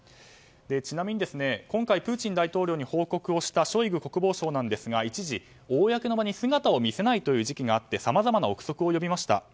ちなみに今回プーチン大統領に報告をしたショイグ国防相なんですが一時、公の場に姿を見せないという時期があってさまざまな憶測を呼びました。